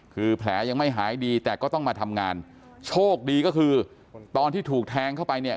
คือแผลยังไม่หายดีแต่ก็ต้องมาทำงานโชคดีก็คือตอนที่ถูกแทงเข้าไปเนี่ย